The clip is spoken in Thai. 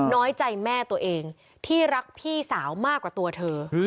น้อยใจแม่ตัวเองที่รักพี่สาวมากกว่าตัวเธอ